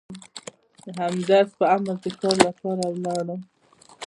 د همدرد په امر د کار لپاره ولاړم.